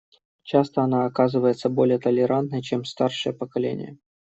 Часто она оказывается более толерантной, чем старшее поколение.